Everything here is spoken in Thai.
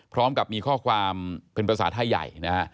พร้อมกับมีข้อความเป็นภาษาไทยใหญ่นะฮะ